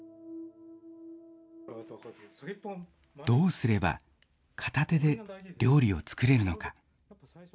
どうすれば片手で料理を作れるのか。